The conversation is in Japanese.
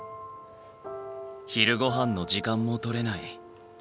昼ごはんの時間も取れない。